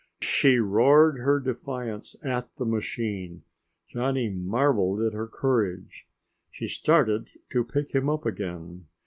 She roared her defiance at the machine. Johnny marveled at her courage. She started to pick him up again.